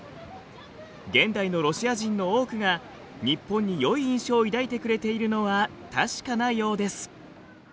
現代のロシア人の多くが日本によい印象を抱いてくれているのは確かなようです。